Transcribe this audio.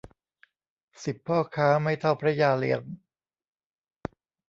สิบพ่อค้าไม่เท่าพระยาเลี้ยง